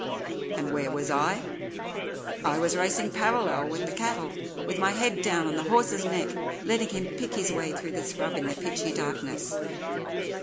"And where was I? I was racing parallel with the cattle, with my head down on the horse's neck, letting him pick his way through the scrub in the pitchy darkness.